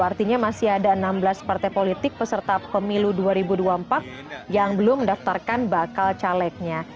artinya masih ada enam belas partai politik peserta pemilu dua ribu dua puluh empat yang belum mendaftarkan bakal calegnya